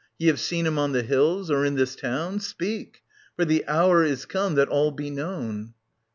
Ye have seen him on the hills ? Or in this town ? Speak I For the hour is come that all be known.